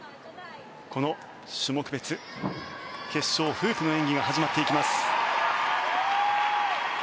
この種目別決勝フープの演技が始まっていきます。